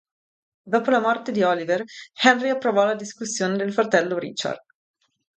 Dopo la morte di Oliver, Henry approvò la successione del fratello Richard.